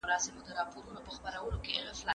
ایا د روسیې ژبه زده کول د دې کتاب لپاره اړین دي؟